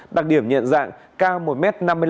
đặc điểm nhận dạng cao một m năm mươi năm